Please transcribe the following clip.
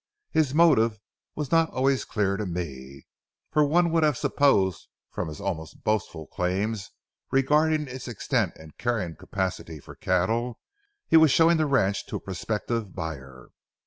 His motive was not always clear to me, for one would have supposed from his almost boastful claims regarding its extent and carrying capacity for cattle, he was showing the ranch to a prospective buyer.